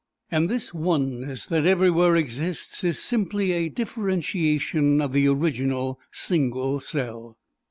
And this oneness that everywhere exists is simply a differentiation of the original single cell.